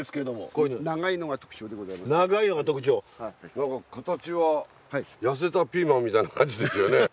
何か形は痩せたピーマンみたいな感じですよね。